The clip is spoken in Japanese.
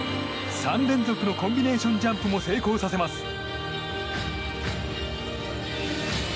３連続のコンビネーションジャンプも成功させます。